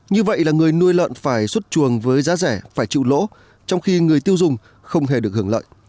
như vậy là người nuôi lợn phải xuất chuồng với giá rẻ phải chịu lỗ trong khi người tiêu dùng không hề được hưởng lợi